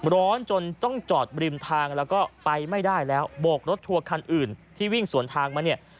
ร้อนจนต้องจอดบริมทางแล้วก็ไปไม่ได้แล้วโบกรถทัวร์คันอื่นที่วิ่งสวนทางมาเนี่ย